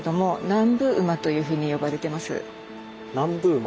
南部馬？